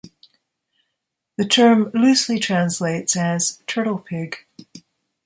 The term loosely translates as "turtle-pig".